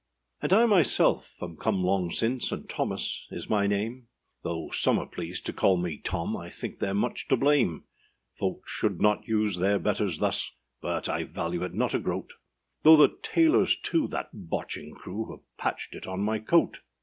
And I myself am come long since, And Thomas is my name; Though some are pleased to call me Tom, I think theyâre much to blame: Folks should not use their betters thus, But I value it not a groat, Though the tailors, too, that botching crew, Have patched it on my coat.